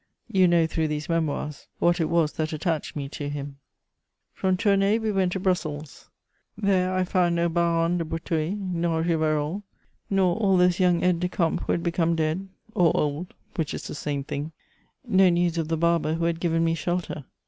You know through these Memoirs what it was that attached me to him. [Sidenote: I follow the King to Ghent.] From Tournay we went to Brussels: there I found no Baron de Breteuil, nor Rivarol, nor all those young aides de camp who had become dead or old, which is the same thing. No news of the barber who had given me shelter.